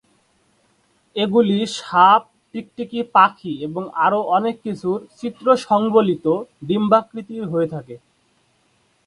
এগুলি সাপ, টিকটিকি, পাখি এবং আরও অনেক কিছুর চিত্র সংবলিত ডিম্বাকৃতির হয়ে থাকে।